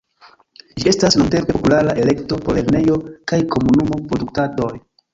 Ĝi estas longtempe populara elekto por lernejo- kaj komunumo-produktadoj.